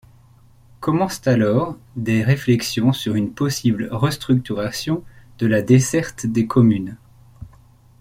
Commencent alors des réflexions sur une possible restructuration de la desserte des communes.